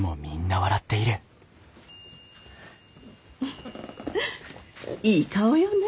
フッいい顔よね。